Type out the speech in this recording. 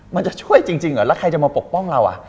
มันจะช่วยจริงเหรอแล้วใครจะมาปกป้องเราอ่ะ